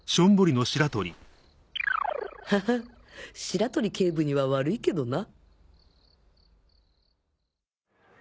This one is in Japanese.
ハハ白鳥警部には悪いけどな